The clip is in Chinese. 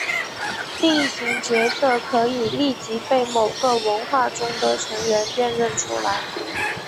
定型角色可以立即被某个文化中的成员辨认出来。